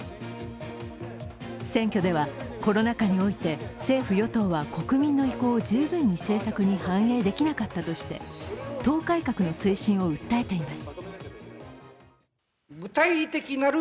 選挙では、コロナ禍において政府・与党は国民の意向を十分に政策に反映できなかったとして党改革の推進を訴えています。